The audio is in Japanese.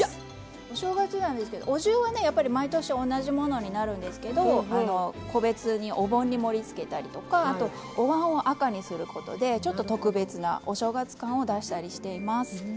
お正月はお重は毎年同じものになるんですけど個別にお盆に盛りつけたりとかおわんを赤にすることでちょっと特別なお正月感を出したりしています。